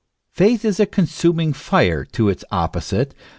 Faith is a consuming fire to its opposite.